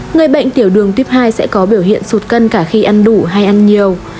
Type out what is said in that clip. người bệnh tiểu đường tuyếp hai sẽ có biểu hiện sụt cân cả khi ăn đủ hay ăn nhiều